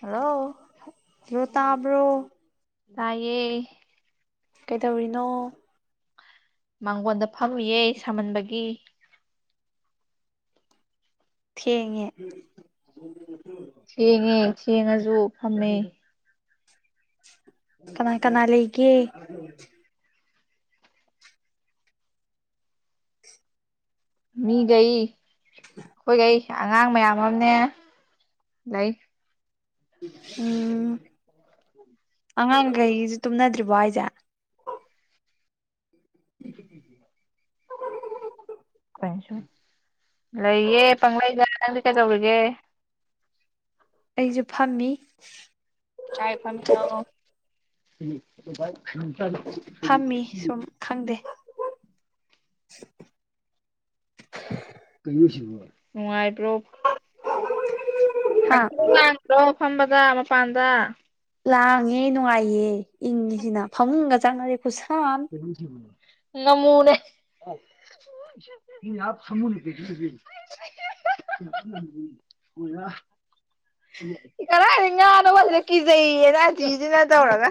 Hello ꯂꯣ ꯇꯥꯕ꯭ꯔꯣ ꯇꯥꯏꯌꯦ ꯀꯩꯗꯧꯔꯤꯅꯣ ꯃꯥꯡꯒꯣꯟꯗ ꯐꯥꯔꯨꯌꯦ ꯁꯍꯟꯕꯒꯤ ꯊꯦꯡꯉꯦ ꯊꯦꯡꯉꯦ ꯊꯦꯡꯉꯁꯨ ꯐꯝꯃꯦ ꯀꯅꯥ ꯀꯅꯥ ꯂꯩꯒꯦ ꯃꯤꯒꯩ ꯑꯩꯈꯣꯏꯒꯩ ꯑꯉꯥꯡ ꯃꯌꯥꯝ ꯑꯝꯅꯦ ꯂꯩ ꯎꯝ ꯑꯉꯥꯡꯒꯩꯖꯨ ꯇꯨꯝꯅꯗ꯭ꯔꯤꯕꯣ ꯍꯥꯏꯖꯦ [inaudible] ꯀꯣꯏꯟꯁꯨꯠ ꯂꯩꯌꯦ ꯄꯪꯪꯂꯩꯗ ꯅꯪꯗꯤ ꯀꯩꯗꯧꯔꯤꯒꯦ ꯑꯩꯖꯨ ꯐꯝꯃꯤ [unintelligible] ꯐꯝꯃꯤ ꯁꯨꯝ ꯈꯪꯗꯦ ꯀꯩꯅꯣ ꯑꯁꯤꯕꯨ ꯅꯨꯡꯉꯥꯏꯕ꯭ꯔꯣ ꯍꯥ ꯍꯥꯡꯆꯤꯡ ꯂꯥꯡꯗ꯭ꯔꯣ ꯐꯝꯕꯗ ꯃꯄꯥꯟꯗ ꯂꯥꯡꯉꯦ ꯅꯨꯡꯉꯥꯏꯌꯦ ꯏꯪꯉꯤ ꯁꯤꯅ ꯐꯃꯨꯡꯒ ꯆꯪꯒꯗꯤ ꯈꯨꯠꯁꯥꯑꯝ [unintelligible] [unintelligible] [unintelligible] ꯀꯔꯥꯏꯗꯩ ꯉꯥꯅꯣꯕ ꯑꯁꯤꯗ ꯀꯤꯖꯩꯌꯦꯅ ꯑꯇꯥꯊꯤꯖꯤꯅ ꯇꯧꯔꯒ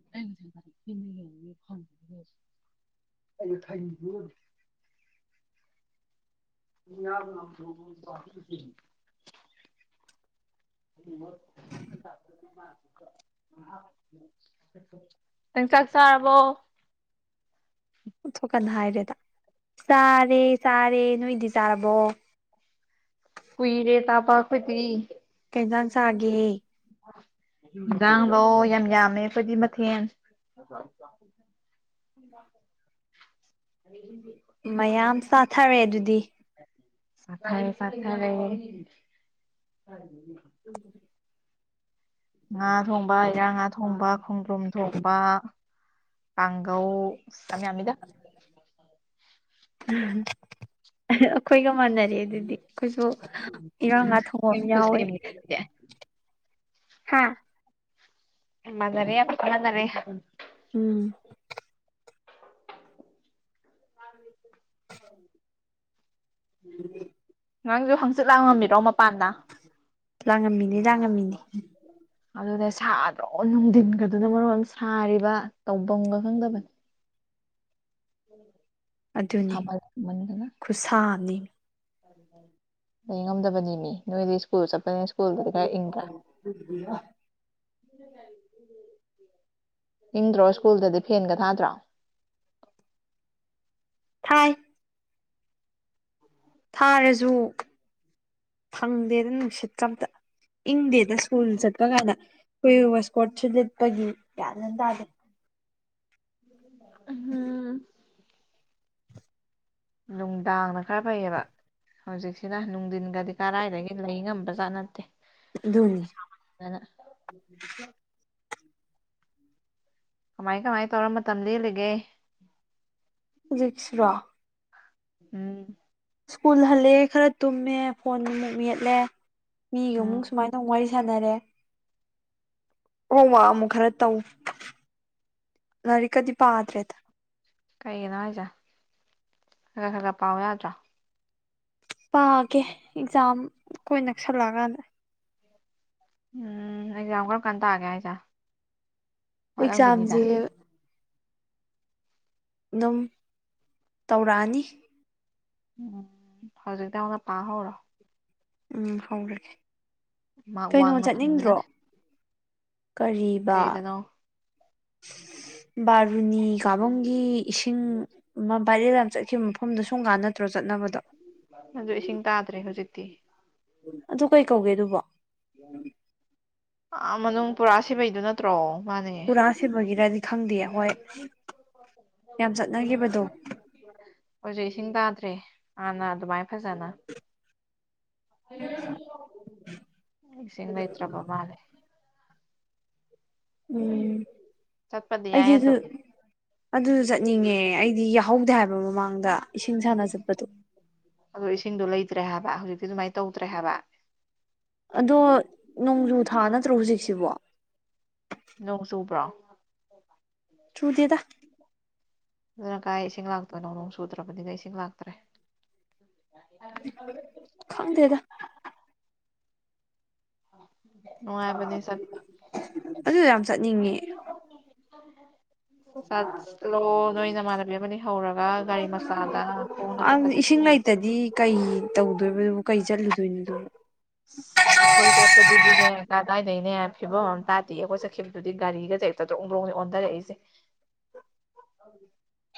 [unintelligible] [unintelligible] [unintelligible] [unintelligible] ꯅꯪ ꯆꯥꯛ ꯆꯥꯔꯕꯣ [inaudible] ꯑꯣꯟꯊꯣꯛꯀꯟ ꯍꯥꯏꯔꯦꯗ ꯆꯥꯔꯦ ꯆꯥꯔꯦ ꯅꯣꯏꯗꯤ ꯆꯥꯔꯕꯣ ꯀꯨꯏꯔꯦ ꯇꯥꯕ ꯑꯩꯈꯣꯏꯗꯤ ꯀꯩꯟꯖꯥꯟ ꯆꯥꯒꯦ ꯏꯟꯖꯥꯡꯂꯣ ꯌꯥꯝ ꯌꯥꯝꯃꯦ ꯑꯈꯣꯏꯗꯤ ꯃꯊꯦꯟ [unintelligible] [unintelligible] [unintelligible] ꯃꯌꯥꯝ ꯆꯥꯊꯔꯦ ꯑꯗꯨꯗꯤ ꯆꯊꯥꯔꯦ ꯆꯊꯥꯔꯦ [unintelligible] ꯉꯥ ꯊꯣꯡꯕ ꯏꯔꯥꯡ ꯉꯥ ꯊꯣꯡꯕ ꯈꯣꯡꯗ꯭ꯔꯨꯝ ꯊꯣꯡꯕ ꯀꯥꯡꯒꯧ ꯑꯁ ꯌꯥꯝ ꯌꯥꯝꯃꯤꯗ ꯑꯩꯈꯣꯏꯒ ꯃꯥꯟꯅꯔꯦ ꯑꯗꯨꯗꯤ ꯑꯩꯈꯣꯏꯖꯨ ꯏꯔꯥꯡ ꯉꯥ ꯊꯣꯡꯕ ꯑꯝ ꯌꯥꯎꯋꯦ [unintelligible] ꯍꯥꯥ [unintelligible] ꯎꯝ [unintelligible] ꯅꯪꯖꯨ ꯍꯪꯆꯤꯠ ꯂꯥꯡꯉꯝꯃꯤꯔꯣ ꯃꯄꯥꯟꯗ ꯂꯥꯡꯉꯝꯃꯤꯅꯤ ꯂꯥꯡꯉꯝꯃꯤꯅꯤ ꯑꯗꯨꯗ ꯁꯥꯗ꯭ꯔꯣ ꯅꯨꯡꯊꯤꯟꯒꯗꯨꯅ ꯃꯔꯣꯟꯑꯝ ꯁꯥꯔꯤꯕ ꯇꯧꯕꯝꯒ ꯈꯪꯗꯕꯅꯤ ꯁꯥꯃꯜ ꯂꯥꯛꯃꯝꯗꯅ ꯈꯨꯁꯥ ꯑꯝꯅꯦꯃꯤ ꯂꯩ ꯉꯝꯗꯕꯅꯦꯃꯤ ꯅꯣꯏꯗꯤ ꯁ꯭ꯀꯨꯜ ꯆꯠꯄꯅꯤ ꯁ꯭ꯀꯨꯜꯗꯗꯤ ꯈꯔ ꯏꯪꯕ꯭ꯔꯥ ꯏꯪꯗ꯭ꯔꯣ ꯁ꯭ꯀꯨꯜꯗꯗꯤ ꯐꯦꯟꯒ ꯊꯥꯗ꯭ꯔꯣ ꯊꯥꯏ ꯊꯥꯔꯖꯨ ꯐꯪꯗꯦꯗ ꯅꯨꯡꯁꯤꯠꯀ ꯑꯝꯇ ꯏꯪꯗꯦꯗ ꯁ꯭ꯀꯨꯜ ꯆꯠꯄ ꯀꯥꯏꯅ ꯑꯩꯈꯣꯏ ꯋꯁꯀꯣꯔꯠꯁꯨ ꯂꯤꯠꯄꯒꯤ ꯒ꯭ꯌꯥꯟ ꯃꯦꯟꯑꯝ ꯇꯥꯗꯦ [inaudible] [inaudible] ꯅꯨꯡꯗꯥꯡꯅ ꯈꯔ ꯐꯩꯌꯦꯕ ꯍꯧꯖꯤꯛꯁꯤꯅ ꯅꯨꯡꯊꯤꯟꯒꯗꯤ ꯀꯔꯥꯏꯗꯒꯤ ꯂꯩ ꯉꯝꯕ ꯆꯥꯠ ꯅꯠꯇꯦ ꯙꯣꯅꯤ ꯑ ꯎ ꯀꯃꯥꯏ ꯀꯃꯥꯏ ꯇꯧꯔ ꯃꯇꯝ ꯂꯦꯜꯂꯤꯒꯦ ꯍꯧꯖꯤꯛꯁꯤꯔꯣ ꯎꯝ ꯁ꯭ꯀꯨꯜ ꯍꯜꯂꯦ ꯈꯔ ꯇꯨꯝꯃꯦ ꯐꯣꯟꯃꯨꯛ ꯃꯦꯠꯂꯦ ꯃꯤꯒ ꯎꯝ ꯑꯃꯨꯛ ꯁꯨꯃꯥꯏꯅ ꯋꯥꯔꯤ ꯁꯥꯟꯅꯔꯦ ꯍ ꯋꯥ ꯑꯃꯨꯛ ꯈꯔ ꯇꯧ ꯂꯥꯏꯔꯤꯛꯀꯗꯤ ꯄꯥꯗ꯭ꯔꯦꯗ ꯀꯩꯒꯤꯅꯣ ꯍꯥꯏꯁꯦ ꯈ ꯈꯔ ꯈꯔ ꯈꯔ ꯄꯥꯎ ꯌꯥꯗ꯭ꯔꯣ ꯄꯥꯒꯦ ꯑꯦꯛꯖꯥꯝ ꯀꯣꯏ ꯅꯛꯁꯜꯂꯛꯑꯀꯥꯟꯗ ꯎꯝ ꯑꯦꯛꯖꯥꯝ ꯀꯔꯝ ꯀꯥꯟ ꯇꯥꯛꯑꯒꯦ ꯍꯥꯏꯁꯦ ꯋꯥꯠꯂꯝꯈꯤꯅꯤꯗ ꯑꯦꯛꯖꯥꯝꯁꯦ ꯑꯗꯨꯝ ꯇꯧꯔꯛꯑꯅꯤ ꯎꯝ ꯍꯧꯖꯤꯛ ꯇꯃꯅ ꯄꯥ ꯍꯣꯔꯣ ꯎꯝ ꯍꯧꯔꯒꯦ ꯃꯥꯔꯛ ꯀꯩꯅꯣ ꯋꯥꯡꯅ ꯆꯠꯅꯤꯡꯗ꯭ꯔꯣ ꯐꯪꯅꯤꯉꯥꯏ ꯀꯔꯤꯕ ꯀꯩꯗꯅꯣ ꯕꯥꯔꯨꯅꯤ ꯀꯥꯕꯨꯡꯒꯤ ꯏꯁꯤꯡ ꯃꯥ ꯚꯥꯏꯔꯦꯟ ꯌꯥꯝ ꯆꯠꯈꯤꯕ ꯃꯐꯝꯗꯣ ꯁꯨꯡ ꯀꯥꯟ ꯅꯠꯇ꯭ꯔꯣ ꯆꯠꯅꯕꯗꯣ ꯑꯗꯨ ꯏꯁꯤꯡ ꯇꯥꯗ꯭ꯔꯦ ꯍꯧꯖꯤꯛꯇꯤ ꯑꯗꯨ ꯀꯩ ꯀꯧꯒꯦ ꯑꯗꯨꯕꯣ ꯑꯥ ꯃꯅꯨꯡ ꯄꯨꯔꯥ ꯁꯤꯕꯩꯗꯨꯅ ꯑ꯭ꯔꯣ ꯃꯥꯅꯦ ꯄꯨꯔꯥ ꯁꯤꯕꯒꯤꯔꯗꯤ ꯈꯪꯗꯦ ꯍꯣꯏ ꯌꯥꯝ ꯆꯠꯅꯈꯤꯕꯗꯣ ꯍꯧꯖꯤꯛ ꯏꯁꯤꯡ ꯇꯥꯗ꯭ꯔꯦ ꯍꯥꯟꯅ ꯑꯗꯨꯃꯥꯏ ꯐꯖꯅ ꯏꯁꯤꯡ ꯂꯩꯇ꯭ꯔꯕ ꯃꯥꯂ ꯎꯝ ꯆꯠꯄꯗꯤ ꯌꯥꯏ ꯑꯩꯗꯤꯁꯨ ꯑꯗꯣ ꯑꯗꯨꯁꯨ ꯆꯠꯅꯤꯡꯉꯦ ꯑꯩꯗꯤ ꯌꯥꯍꯧꯗꯦ ꯍꯥꯏꯕ ꯃꯃꯥꯡꯗ ꯏꯁꯤꯡ ꯁꯥꯟꯅ ꯆꯠꯄꯗꯣ ꯑꯗꯣ ꯏꯁꯤꯡꯗꯣ ꯂꯩꯇ꯭ꯔꯦ ꯍꯥꯏꯕ ꯍꯧꯖꯤꯛꯇꯤ ꯑꯗꯨꯃꯥꯏꯅ ꯇꯧꯗ꯭ꯔꯦ ꯍꯥꯏꯕ ꯑꯗꯣ ꯅꯣꯡꯖꯨ ꯊꯥ ꯅꯠꯇ꯭ꯔꯣ ꯍꯧꯖꯤꯛꯁꯤꯕꯣ ꯅꯣꯡ ꯆꯨꯕ꯭ꯔꯣ ꯆꯨꯗꯦꯗ ꯑꯗꯨꯅ ꯀꯥꯏ ꯏꯁꯤꯡ ꯂꯥꯛꯇꯣꯏꯅꯣ ꯅꯣꯡ ꯁꯨꯗ꯭ꯔꯕꯅꯤꯅ ꯏꯁꯤꯡ ꯂꯥꯛꯇ꯭ꯔꯦ ꯈꯪꯗꯦꯗ ꯎꯅꯨꯡ ꯍꯥꯏꯕ ꯁꯠ ꯑꯗꯨ ꯌꯥꯝ ꯆꯠꯅꯤꯡꯉꯦ ꯆꯠꯂꯣ ꯅꯣꯏ ꯅꯃꯥꯟꯅꯕꯤ ꯑꯃ ꯍꯧꯔꯒ ꯒꯥꯔꯤ ꯃꯆꯥꯗ ꯈꯣꯡꯅ ꯑꯪ ꯏꯁꯤꯡ ꯆꯠꯄꯗꯗꯤ ꯂꯩꯇꯗꯤ ꯀꯩ ꯇꯧꯗꯣꯏꯕꯗꯨꯕꯨ ꯀꯩ ꯆꯠꯂꯨꯗꯣꯏꯅꯣꯗꯣ ꯑꯁ ꯑꯩꯈꯣꯏ ꯆꯠꯄꯗꯨꯗꯤꯅꯦ ꯀꯗꯥꯏꯗꯒꯤꯅꯦ ꯐꯤꯕꯝ ꯑꯃ ꯇꯥꯇꯦ ꯑꯩꯈꯣꯏ ꯆꯠꯈꯤꯕꯗꯨꯗꯤ ꯒꯥꯔꯤꯒ ꯆ ꯆꯥꯔꯣꯛꯣꯡꯕ꯭ꯔꯣꯡꯅꯤ ꯑꯣꯟꯊꯔꯛꯏꯁꯦ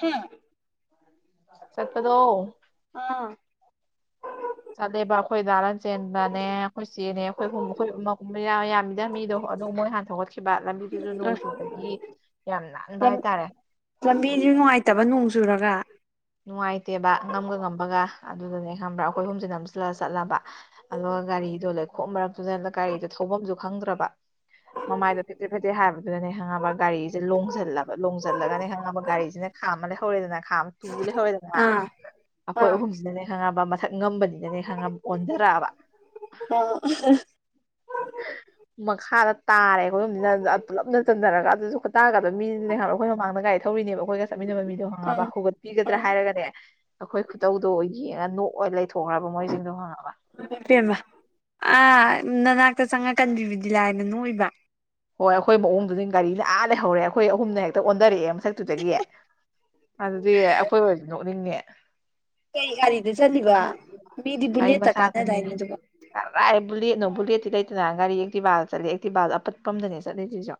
ꯍꯝ ꯆꯠꯄꯗꯣ ꯑꯥ ꯆꯠꯂꯦꯕ ꯑꯩꯈꯣꯏ ꯗꯥ ꯂꯟ ꯆꯦꯟꯕꯅꯦ ꯑꯩꯈꯣꯏ ꯆꯦꯅꯦ ꯑꯩꯈꯣꯏꯒꯨꯝꯕ ꯑꯩꯈꯣꯏ ꯑꯃꯒꯨꯝꯕ ꯗ ꯃꯤꯗꯣ ꯑꯗꯣ ꯃꯣꯏ ꯍꯥꯟꯅ ꯊꯒꯠꯈꯤꯕ ꯂꯝꯕꯤꯗꯨꯁꯨ ꯅꯣꯡ ꯆꯨꯕꯒꯤ ꯌꯥꯝ ꯅꯥꯟꯕ ꯍꯥꯏꯇꯥꯔꯦ ꯂꯝꯕꯤꯗꯨ ꯅꯨꯡꯉꯥꯏꯇꯕ ꯅꯣꯡ ꯆꯨꯔꯒ ꯅꯨꯡꯉꯥꯏꯇꯦꯕ ꯉꯝꯒ ꯉꯝꯕꯒ ꯑꯗꯨꯗꯨꯅꯦ ꯈꯪꯕ꯭ꯔꯥ ꯑꯩꯈꯣꯏ ꯍꯨꯝꯁꯤꯗ ꯅꯝꯁꯤꯜꯂ ꯆꯠꯂꯕ ꯑꯗꯨꯒ ꯒꯥꯔꯤꯗꯣ ꯂꯩꯈꯣ ꯃꯔꯛꯇꯨꯗ ꯒꯥꯔꯤꯗ ꯊꯧꯐꯝꯁꯨ ꯈꯪꯗ꯭ꯔꯕ ꯃꯃꯥꯏꯗꯣ ꯐꯦꯠꯇ꯭ꯔꯦ ꯐꯠꯇꯦ ꯍꯥꯏꯕꯗꯨꯗꯅꯦ ꯍꯪꯉꯕ ꯒꯥꯔꯤꯁꯦ ꯂꯣꯡꯁꯤꯜꯂꯕ ꯂꯣꯡꯁꯤꯜꯂꯒꯅꯦ ꯍꯪꯉꯕ ꯒꯥꯔꯤꯁꯤꯅ ꯍꯥ ꯃꯅꯦ ꯍꯣꯜꯗꯤꯅ ꯈꯥꯡ ꯇꯨꯡꯨ ꯂꯩꯍꯧꯔꯦꯗꯅ ꯑꯥ ꯑꯩꯈꯣꯏ ꯑꯥ ꯑꯍꯨꯝꯁꯤꯅꯅꯦ ꯈꯪꯉꯝꯕ ꯃꯊꯛ ꯉꯝꯕꯅꯤꯅꯅꯦ ꯈꯪꯉ ꯑꯣꯖꯔꯥꯕ ꯍ ꯃꯈꯥꯗ ꯇꯥꯔꯦ ꯑꯩꯈꯣꯏ ꯌꯣꯝꯁꯤꯅ ꯄꯨꯂꯞꯅ ꯆꯟꯊꯔꯒ ꯑꯗꯨꯁꯨ ꯈꯨꯇꯥꯔꯒꯗꯣ ꯃꯤꯅꯦꯍꯜꯔ ꯑꯩꯈꯣꯏ ꯃꯃꯥꯡꯗ ꯀꯥꯏꯗ ꯊꯧꯔꯤꯅꯦꯕ ꯑꯩꯈꯣꯏꯒ ꯆꯠꯃꯤꯟꯅ ꯃꯤꯗꯣ ꯍꯪꯉꯕ ꯍꯧꯒꯠꯄꯤꯒꯗ꯭ꯔꯥ ꯍꯥꯏꯔꯦ ꯍꯥꯏꯔꯒꯅꯦ ꯑꯩꯈꯣꯏ ꯈꯨꯇꯧꯗꯣ ꯑꯣꯏ ꯌꯦꯡꯉ ꯅꯣꯛꯑ ꯂꯩꯊꯣꯛꯈ꯭ꯔꯕ ꯃꯣꯏꯁꯤꯡꯗꯣ ꯍꯪꯉꯕ ꯦꯝꯃ ꯑꯥ ꯅꯅꯥꯛꯇ ꯆꯪꯉꯛꯀꯟꯕꯤꯕꯗꯤ ꯂꯥꯏꯅ ꯅꯣꯏꯕ ꯍꯣꯏ ꯑꯩꯈꯣꯏ ꯃꯑꯣꯡꯗꯨꯗꯤ ꯒꯥꯔꯤ ꯂꯥ ꯂꯩꯍꯧꯔꯦ ꯑꯩꯈꯣꯏ ꯑꯍꯨꯝꯅ ꯍꯦꯛꯇ ꯑꯣꯟꯔꯛꯑꯦ ꯃꯊꯛꯇꯨꯗꯒꯤ ꯑꯗꯨꯗꯤ ꯑꯩꯈꯣꯏ ꯑꯣꯏꯔꯗꯤ ꯅꯣꯛꯅꯤꯡꯅꯦ ꯀꯩ ꯒꯥꯔꯤꯗ ꯆꯠꯂꯤꯕ ꯃꯤꯗꯤ ꯒꯥꯔꯤ ꯕꯨꯂꯦꯠꯇ ꯃꯆꯥꯗꯅꯦ ꯀꯥꯟꯅꯗꯥꯏꯅꯦ ꯑꯗꯨꯒ ꯀꯔꯥꯏ ꯕꯨꯂꯦꯠꯣ ꯕꯨꯂꯦꯠꯇꯤ ꯂꯩꯇꯅ ꯒꯥꯔꯤ ꯑꯦꯛꯇꯤꯕꯥꯜꯗ ꯆꯠꯂꯤꯦ ꯑꯦꯛꯇꯤꯕꯥꯜ ꯑꯄꯠꯄ ꯑꯃꯗꯅꯦ ꯆꯠꯂꯤꯁꯤꯁꯨ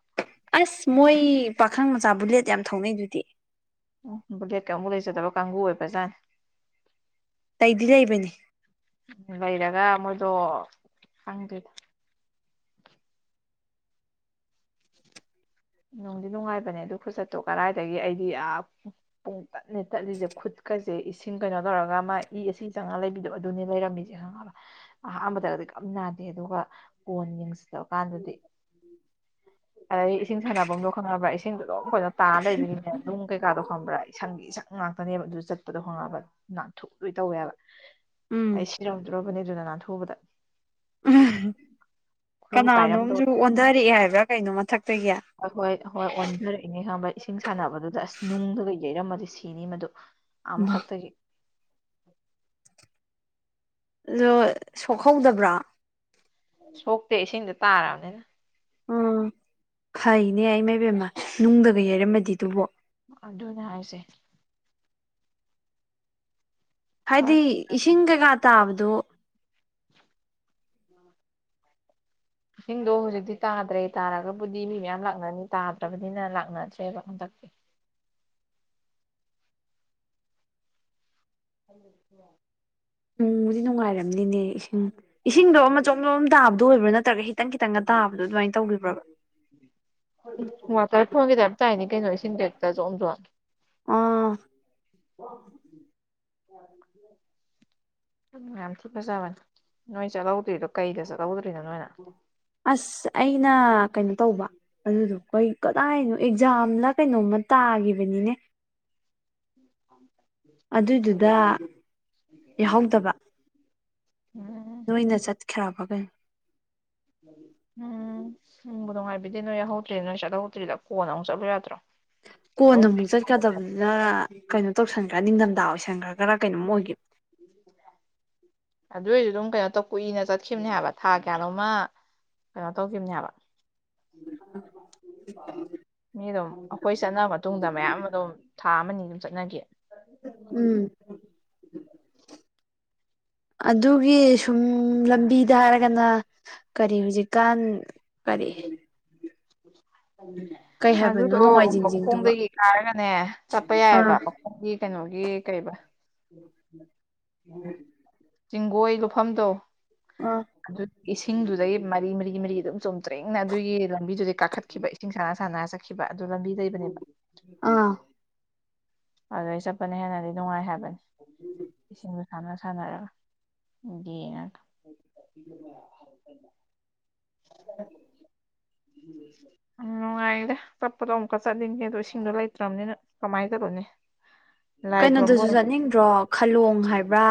ꯑꯁ ꯃꯣꯏ ꯄꯥꯈꯪ ꯃꯆꯥ ꯕꯨꯂꯦꯠ ꯌꯥꯝ ꯊꯧꯅꯩꯗꯨꯗꯤ ꯑꯣ ꯕꯨꯂꯦꯠꯀ ꯑꯃꯕꯨꯛ ꯂꯩꯖꯗꯕ ꯀꯥꯡꯕꯨ ꯑꯣꯏꯕꯖꯥꯠꯅꯦ ꯇꯇꯩꯗꯤ ꯂꯩꯕꯅꯤ ꯎ ꯂꯩꯔꯒ ꯃꯣꯏꯗꯣ ꯍꯪꯗꯦꯗ ꯅꯨꯡꯗꯤ ꯅꯨꯡꯉꯥꯏꯕꯅꯦ ꯑꯗꯨ ꯈꯨꯆꯠꯇꯣ ꯀꯔꯏꯗꯒꯤ ꯑꯩꯗꯤ ꯄꯨꯡ ꯇꯠꯅꯦ ꯇꯠꯂꯤꯁꯦ ꯈꯨꯠꯀꯁꯦ ꯏꯁꯤꯡ ꯀꯩꯅꯣ ꯇꯧꯔꯒ ꯃꯥ ꯏꯁꯤꯡ ꯆꯥꯉꯥ ꯂꯩꯕꯤꯗꯣ ꯑꯗꯨꯅꯤ ꯂꯩꯔꯝꯃꯤꯁꯦ ꯈꯪꯉꯕ ꯑꯍꯥꯟꯕꯗꯒꯗꯤ ꯀꯞ ꯅꯥꯗꯦ ꯑꯗꯨꯒ ꯀꯣꯟ ꯌꯦꯡꯁꯤꯜꯂꯕ ꯀꯥꯟꯗꯗꯤ ꯑꯗꯩ ꯏꯁꯤꯡ ꯁꯥꯟꯅꯐꯝꯗꯣ ꯈꯪꯅꯕ꯭ꯔꯥ ꯏꯁꯤꯡꯗꯣ ꯑꯗꯨꯝ ꯐꯖꯅ ꯇꯥꯅ ꯂꯩꯕꯒꯤꯅꯦ ꯑꯗꯨꯝ ꯀꯩꯀꯥꯗꯣ ꯈꯪꯕ꯭ꯔꯥ ꯏꯁꯪꯒꯤ ꯏꯁꯪ ꯉꯥꯛꯇꯅꯦꯕ ꯑꯗꯨ ꯆꯠꯄꯗꯣ ꯍꯣꯡꯉꯛꯑꯕ ꯅꯥꯊꯣꯛ ꯂꯣꯏ ꯇꯧꯋꯦꯕ ꯎꯝ ꯑꯩ ꯁꯤꯔꯝꯗ꯭ꯔꯕꯅꯤ ꯑꯗꯨꯅ ꯅꯥꯟꯊꯨꯕꯗ ꯎ ꯈꯨꯔꯨ ꯀꯅꯥꯅꯣꯝꯁꯨ ꯀꯥꯏꯔꯝꯗꯧꯔꯦ ꯑꯣꯟꯊꯔꯛꯑꯦ ꯍꯥꯏꯕ꯭ꯔꯥ ꯀꯩꯅꯣ ꯃꯊꯛꯇꯒꯤ ꯍ ꯍꯣꯏ ꯍꯣꯏ ꯑꯣꯟꯊꯔꯛꯏꯅꯦ ꯈꯪꯕ ꯏꯁꯤꯡ ꯁꯥꯟꯅꯕꯗꯨꯗ ꯑꯁ ꯅꯨꯡꯗꯨꯒ ꯌꯩꯔꯝꯃꯗꯤ ꯁꯤꯅꯤ ꯃꯗꯨ ꯑꯃ ꯑꯗꯣ ꯁꯇꯒꯤ ꯑꯗꯣ ꯁꯣꯛꯍꯧꯗꯕ꯭ꯔꯣ ꯁꯣꯛꯇꯦ ꯏꯁꯤꯡꯗ ꯇꯥꯔꯕꯅꯤꯅ ꯎꯝ ꯐꯩꯅꯦ ꯑꯩ ꯃꯥꯏꯕꯦꯝꯃ ꯅꯨꯡꯗꯒ ꯌꯩꯔꯝꯃꯗꯤꯗꯨꯕꯣ ꯑꯗꯨꯅꯦ ꯍꯥꯏꯁꯦ ꯍꯥꯏꯗꯤ ꯐꯔꯦ ꯏꯁꯤꯡ ꯀꯩꯀꯥ ꯇꯥꯕꯗꯣ ꯎꯝ [unintelligible] ꯏꯁꯤꯡꯗꯣ ꯍꯧꯖꯤꯛꯇꯤ ꯇꯥꯗ꯭ꯔꯦ ꯇꯥꯔꯒꯕꯨꯗꯤ ꯃꯤ ꯃꯌꯥꯝ ꯂꯥꯛꯅꯅꯤ ꯇꯥꯗ꯭ꯔꯕꯅꯤꯅ ꯂꯥꯛꯅꯁꯦꯕ ꯍꯟꯗꯛꯇꯤ ꯀꯗꯃꯣ ꯅꯣꯡꯕꯨꯗꯤ ꯅꯨꯡꯉꯥꯏꯔꯝꯅꯤꯅꯦ ꯏꯁꯤꯡ ꯏꯁꯤꯡꯗꯣ ꯑꯃ ꯑꯆꯣꯝ ꯑꯆꯝ ꯇꯥꯕꯗ ꯑꯣꯏꯕ꯭ꯔꯥ ꯅꯠꯇ꯭ꯔꯒ ꯍꯈꯤꯇꯪ ꯈꯤꯇꯪꯒ ꯇꯥꯕꯗꯣ ꯑꯗꯨꯃꯥꯏꯅ ꯇꯧꯈꯤꯕ꯭ꯔꯣꯕ ꯎ ꯋꯥꯇ ꯐꯣꯡꯒꯦꯗ ꯍꯥꯏꯝꯇꯥꯏꯅꯤ ꯀꯩꯅꯣ ꯏꯁꯤꯡ ꯀꯦꯛꯇ ꯆꯣꯡꯝ ꯆꯦ ꯑꯥ ꯎ ꯌꯥꯝ ꯊꯨ ꯐꯖꯕꯅꯦ ꯅꯣꯏ ꯆꯠꯍꯧꯗ꯭ꯔꯤꯗꯣ ꯀꯩꯗ ꯆꯠꯍꯧꯗ꯭ꯔꯤꯅꯣ ꯅꯣꯏꯅ ꯑꯁ ꯑꯩꯅ ꯀꯩꯅꯣ ꯇꯧꯕ ꯑꯗꯨꯗꯣ ꯀꯩ ꯀꯗꯥꯏꯅꯣ ꯑꯦꯛꯖꯥꯝꯅ ꯀꯩꯅꯣꯝꯃ ꯇꯥꯒꯤꯈꯤꯕꯅꯤꯅꯦ ꯎ ꯑꯗꯨꯏꯗꯨꯗ ꯌꯥꯍꯧꯗꯕ ꯎꯝ ꯅꯣꯏꯅ ꯆꯠꯈ꯭ꯔꯕꯒꯩꯅꯣ ꯎꯝ ꯎꯪꯕꯨ ꯅꯨꯡꯉꯥꯏꯕꯤꯗꯤ ꯅꯣꯏ ꯌꯥꯎꯍꯧꯗ꯭ꯔꯦ ꯅꯣꯏ ꯆꯠꯊꯍꯧꯗ꯭ꯔꯤꯗ ꯀꯣꯟꯅ ꯑꯃꯨꯛ ꯆꯠꯂꯨ ꯌꯥꯗ꯭ꯔꯣ ꯑꯗꯨꯝ ꯀꯣꯟ ꯑꯃꯨꯛ ꯆꯠꯀꯗꯕꯅꯤꯅ ꯀꯩꯅꯣ ꯇꯧꯁꯟꯈ꯭ꯔꯥ ꯅꯤꯡꯊꯝꯊꯥ ꯑꯣꯏꯁꯟꯈ꯭ꯔꯥꯒꯔꯥ ꯀꯩꯅꯣꯝ ꯑꯣꯏꯈꯤꯕ [unintelligible] ꯑꯗꯨꯏꯁꯨ ꯑꯗꯨꯝ ꯀꯩꯅꯣ ꯇꯧ ꯀꯨꯏꯅ ꯆꯠꯈꯤꯕꯅꯦ ꯍꯥꯏꯕ ꯊꯥ ꯀꯌꯥꯅꯣꯝꯃ ꯀꯩꯅꯣ ꯇꯧꯈꯤꯕꯅꯦꯕ ꯃꯤ ꯑꯗꯨꯝ ꯑꯩꯈꯣꯏ ꯆꯠꯅ ꯃꯇꯨꯡꯗ ꯃꯌꯥꯝ ꯑꯗꯨꯝ ꯊꯥ ꯑꯃꯅꯤ ꯑꯗꯨꯝ ꯆꯠꯅꯈꯤ ꯎꯝ [unintelligible] ꯑꯗꯨꯒꯤ ꯁꯨꯝ ꯂꯝꯕꯤꯗ ꯍꯥꯏꯔꯒꯅ ꯀꯔꯤ ꯍꯧꯖꯤꯛꯀꯥꯟ ꯀꯔꯤ [unintelligible] ꯀꯩ ꯍꯥꯏꯕꯅꯣ ꯑꯗꯨꯗꯣ ꯅꯣꯡꯃꯥꯏꯖꯤꯡ ꯆꯤꯡꯗꯨꯕ ꯃꯈꯣꯡꯗꯒꯤ ꯀꯥꯔꯒꯅꯦ ꯆꯠꯄ ꯑꯥ ꯌꯥꯏꯑꯦꯕ ꯑꯩꯒꯤ ꯀꯩꯅꯣꯒꯤ ꯀꯩꯕ ꯑꯝ ꯆꯤꯡꯒꯣꯏ ꯂꯨꯐꯝꯗꯣ ꯑꯥ ꯑꯗꯨ ꯏꯁꯤꯡꯗꯨꯗꯒꯤ ꯃꯔꯤ ꯃꯔꯤ ꯃꯔꯤ ꯑꯗꯨꯝ ꯆꯣꯡꯊ ꯭ꯇꯔꯦꯡꯅ ꯑꯗꯨꯒꯤ ꯂꯝꯕꯤꯗꯨꯗꯩ ꯀꯥꯈꯠꯈꯤꯕ ꯏꯁꯤꯡ ꯁꯥꯟꯅ ꯁꯥꯟꯅ ꯆꯠꯈꯤꯕ ꯑꯗꯨ ꯂꯝꯕꯤ ꯂꯩꯕꯅꯦꯕ ꯑꯥ ꯑꯗꯨ ꯑꯩ ꯆꯠꯄꯅ ꯍꯦꯟꯅꯗꯤ ꯅꯨꯡꯉꯥꯏ ꯍꯥꯏꯕꯅꯦ ꯏꯁꯤꯡꯗꯨ ꯁꯥꯟꯅ ꯁꯥꯟꯅꯔꯒ [inaudible] [unintelligible] ꯅꯨꯡꯉꯥꯏꯗ ꯆꯠꯄꯗꯣ ꯑꯃꯨꯛꯀ ꯆꯠꯅꯤꯡꯉꯦ ꯑꯗꯣ ꯏꯁꯤꯡꯗꯣ ꯂꯩꯇ꯭ꯔꯕꯅꯤꯅ ꯀꯃꯥꯏꯅ ꯇꯧꯔꯣꯅꯦ ꯀꯩꯅꯣꯗꯨꯁꯨ ꯆꯠꯅꯤꯡꯗ꯭ꯔꯣ ꯈꯥꯂꯣꯡ ꯍꯥꯏꯕ꯭ꯔꯥ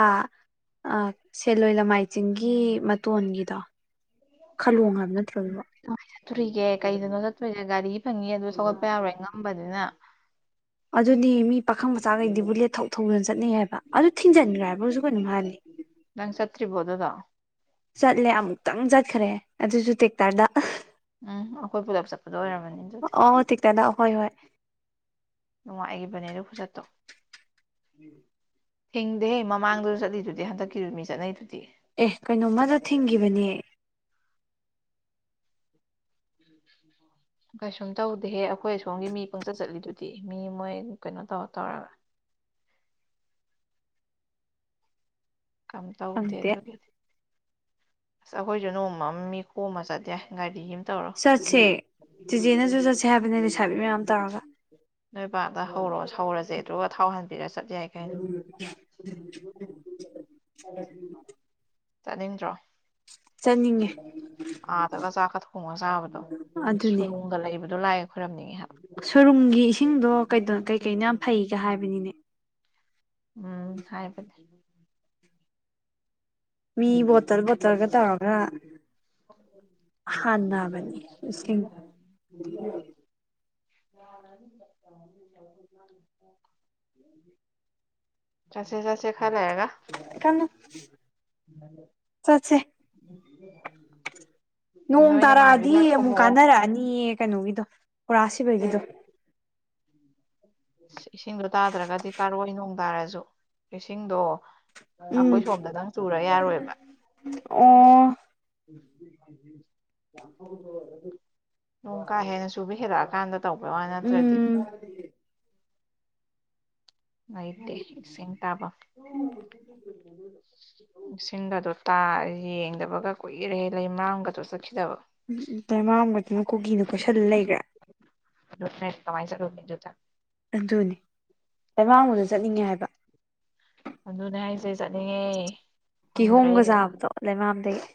ꯑꯥ ꯁꯦꯜꯂꯣꯏ ꯂꯃꯥꯏ ꯆꯤꯡꯒꯤ ꯃꯇꯣꯟꯒꯤꯗꯣ ꯈꯂꯣꯡꯕ ꯅꯠꯇꯔꯣ ꯑꯗꯨꯕꯣ ꯀꯃꯥꯏꯅ ꯆꯠꯇꯣꯔꯤꯒꯦ ꯀꯩꯗꯅꯣ ꯆꯠꯇꯣꯔꯤꯁꯦ ꯒꯥꯔꯤ ꯐꯪꯉꯤ ꯑꯗꯨ ꯊꯧꯒꯠꯄ ꯌꯥꯔꯣꯏ ꯉꯝꯕꯅꯤꯅ ꯑꯗꯨꯗꯤ ꯃꯤ ꯄꯥꯈꯪ ꯃꯆꯥꯈꯩꯗꯤ ꯕꯨꯂꯦꯠ ꯊꯧ ꯊꯧꯗꯨꯅ ꯆꯠꯅꯩ ꯍꯥꯏꯕ ꯑꯗꯨ ꯊꯤꯟꯖꯤꯟꯈ꯭ꯔꯦ ꯍꯥꯏꯕꯁꯨ ꯀꯩꯅꯣꯝ ꯍꯥꯏꯕꯅꯦ ꯅꯪ ꯆꯠꯇꯔꯤꯕꯣ ꯑꯗꯨꯗꯣ ꯆꯠꯂꯦ ꯑꯃꯨꯛꯇꯪ ꯆꯠꯈ꯭ꯔꯦ ꯑꯗꯨꯁꯨ ꯇꯦꯛꯇꯔꯗ ꯎꯝ ꯑꯩꯈꯣꯏ ꯄꯨꯂꯞ ꯆꯠꯄꯗꯣ ꯑꯣꯏꯔꯝꯃꯅꯤ ꯑꯗꯨ ꯇꯅ ꯍꯣꯏ ꯍꯣꯏ ꯅꯨꯡꯉꯥꯏꯈꯤꯕꯅꯦ ꯑꯗꯨ ꯈꯨꯖꯠꯇꯣ ꯊꯤꯡꯗꯦꯍꯦ ꯃꯃꯥꯡꯗꯨꯁꯨ ꯆꯠꯂꯤꯗꯨꯗꯤ ꯍꯟꯗꯛꯀꯤꯁꯨ ꯃꯤ ꯆꯠꯅꯩꯗꯨꯗꯤ ꯑꯦ ꯀꯩꯅꯣ ꯃꯥꯁꯨ ꯊꯤꯡꯈꯤꯕꯅꯦ [unintelligible] ꯀꯩꯁꯨꯝ ꯇꯧꯗꯦꯍꯦ ꯑꯩꯈꯣꯏ ꯑ ꯁꯣꯝꯒꯤ ꯃꯤ ꯄꯪꯆꯠ ꯆꯠꯂꯤꯗꯨꯗꯤ ꯃꯤ ꯃꯣꯏ ꯀꯩꯅꯣ ꯇꯧꯔ ꯇꯧꯔꯒ ꯀꯦꯝ ꯇꯧꯇꯦ ꯈꯪꯗꯦ ꯑꯗꯨꯒꯤꯗꯤ ꯑꯁ ꯑꯩꯈꯣꯏꯁꯨ ꯅꯣꯡꯃ ꯃꯤ ꯈꯣꯝꯃ ꯆꯠ ꯌꯥꯢ ꯒꯥꯔꯤ ꯇꯧꯔꯣ ꯆꯠꯁꯦ ꯆꯤꯆꯦꯅꯁꯨ ꯆꯠꯁꯦ ꯍꯥꯏꯕꯅꯦ ꯁꯥꯕꯤ ꯃꯌꯥꯝ ꯇꯧꯔꯒ ꯅꯣꯏꯕꯥꯗ ꯍꯧꯔꯣ ꯍꯧꯔꯁꯦ ꯑꯗꯨꯒ ꯊꯥꯎ ꯍꯟꯕꯤꯔ ꯆꯠ ꯌꯥꯏ ꯀꯩꯅꯣ ꯆꯠꯅꯤꯡꯗ꯭ꯔꯣ ꯆꯠꯅꯤꯡꯉꯦ ꯑꯥꯗꯒ ꯆꯥꯛꯀ ꯊꯣꯡꯉꯒ ꯆꯥꯕꯗꯣ ꯑꯗꯨꯅꯦ ꯒ ꯂꯩꯕꯗꯣ ꯂꯥꯢꯒ ꯈꯣꯏꯔꯝꯅꯤꯡꯉꯦ ꯍꯥꯏ ꯁꯣꯔꯨꯝꯒꯤ ꯏꯁꯤꯡꯗꯣ ꯀꯩꯀꯩꯅ ꯌꯥꯝ ꯐꯩꯒ ꯍꯥꯏꯕꯅꯤꯅꯦ ꯎꯝ ꯍꯥꯏꯕꯅꯦ ꯃꯤ ꯕꯣꯇꯜ ꯕꯣꯇꯜꯒ ꯇꯧꯔꯒ ꯍꯥꯟꯅꯕꯅꯦ ꯢꯁꯤꯡ [unintelligible] ꯆꯠꯁꯦ ꯆꯠꯁꯦ ꯈꯔ ꯂꯩꯔꯒ ꯀꯅꯣ [inaudible] ꯅꯣꯏ ꯅꯃꯥꯟꯅꯕꯤ ꯗꯤ ꯈꯔ ꯑꯃꯨꯛ ꯈꯣꯝꯃꯛꯑꯣ ꯀꯥꯟꯅꯔꯛꯑꯅꯤꯌꯦ ꯀꯩꯅꯣꯒꯤꯗꯣ ꯄꯨꯔꯥ ꯁꯤꯕꯒꯤꯗꯣ ꯏꯁꯤꯡꯗꯣ ꯇꯥꯗ꯭ꯔꯒꯗꯤ ꯀꯥꯔꯣꯏ ꯅꯣꯡ ꯇꯥꯔꯁꯨ ꯏꯁꯤꯡꯗꯣ ꯎꯝ ꯑꯩꯈꯣꯏ ꯁꯣꯝꯗ ꯅꯪ ꯆꯨꯔ ꯌꯥꯔꯣꯏꯕ ꯑꯣ ꯅꯣꯡ ꯀꯥ ꯍꯦꯟꯅ ꯁꯨꯕ ꯍꯦꯜꯂꯛꯑꯀꯥꯟꯗ ꯇꯧꯕꯩ ꯋꯥ ꯅꯠꯇ꯭ꯔꯗꯤ ꯎꯝ ꯂꯩꯏꯇꯦ ꯏꯁꯤꯡꯇꯥꯕ ꯏꯁꯤꯡꯒꯗꯣ ꯇꯥ ꯌꯦꯡꯗꯕꯒ ꯀꯨꯏꯔꯦ ꯂꯩꯃꯥꯡꯝꯒꯗꯣ ꯆꯠꯈꯤꯗꯕ ꯎꯝ ꯇ°ꯟꯕꯥꯡꯕꯗꯨꯅꯥ ꯀꯣꯀꯤꯅ ꯀꯣꯏꯁꯜꯂ ꯂꯩꯈ꯭ꯔ° ꯀꯃꯥꯏꯅꯥ ꯆꯠꯔꯨꯅꯤ ꯑꯗꯨꯗꯥ ꯑꯗꯨꯅꯤ ꯇ°ꯡꯕꯥꯡꯕꯗꯨ ꯆꯠꯅꯤꯡꯉꯦ ꯍꯥꯏꯕ ꯑꯗꯨꯅꯤ ꯑꯥꯏꯁꯦ ꯆꯠꯅꯤꯡꯉꯦ꯫ ꯐꯪꯗ꯭ꯔꯦ ꯀꯤꯍꯣꯝꯒꯥ ꯆꯥꯕꯗꯨ ꯂꯩꯃꯥꯝꯗꯒꯤ꯫